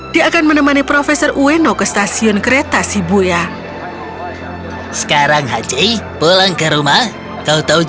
dia akan menemani hachi dan ueno dengan anjing itu